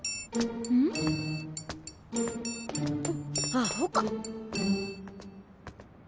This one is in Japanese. アホか！